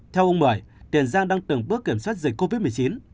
theo ông mười tiền giang đang từng bước kiểm soát dịch covid một mươi chín